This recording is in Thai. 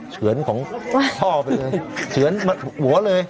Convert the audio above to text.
เฉือนของพ่อไปเลยเฉือนหัวเลย